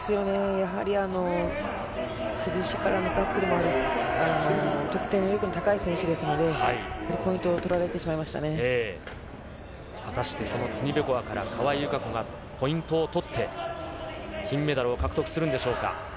やはり崩しからのタックルもありますし、得点力の高い選手ですので、やはりポイントを取られてしまい果たしてそのティベコワから川井友香子がポイントを取って金メダルを獲得するんでしょうか。